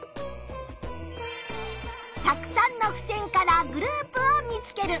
たくさんのふせんからグループを見つける。